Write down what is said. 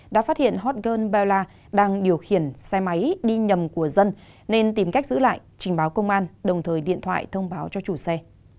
đã phát hiện hot girlberla đang điều khiển xe máy đi nhầm của dân nên tìm cách giữ lại trình báo công an đồng thời điện thoại thông báo cho chủ xe